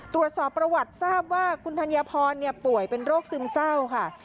ตรวจสอบประวัติทราบว่าคุณธัญพรป่วยเป็นโรคซึมเศร้าค่ะ